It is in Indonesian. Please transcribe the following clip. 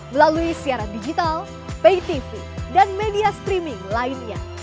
melalui siaran digital pay tv dan media streaming lainnya